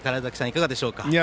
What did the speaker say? いかがでしょうか。